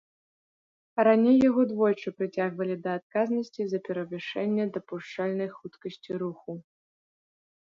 Раней яго двойчы прыцягвалі да адказнасці за перавышэнне дапушчальнай хуткасці руху.